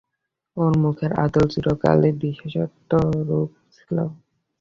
ওর মুখের আদল চিরকালই বিশেষত্বপূর্ণ ছিল।